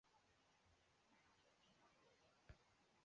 铃木汽车为本届赛事的赞助商。